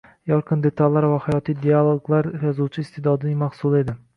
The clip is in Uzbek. Yorqin detallar va hayotiy dialoglar yozuvchi iste'dodining mahsuli edi